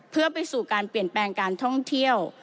เพื่อไปสู่การเปลี่ยนแปลงการท่องเที่ยว